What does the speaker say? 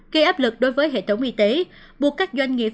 gây áp lực đối với hệ thống y tế buộc các doanh nghiệp